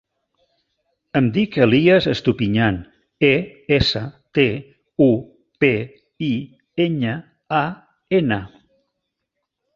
Em dic Elías Estupiñan: e, essa, te, u, pe, i, enya, a, ena.